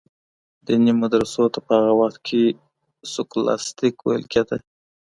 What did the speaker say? دیني مدرسو ته په هغه وخت کي سکولاستیک ویل کیده.